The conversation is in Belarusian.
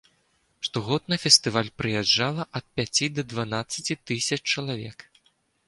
Штогод на фестываль прыязджала ад пяці да дванаццаці тысяч чалавек.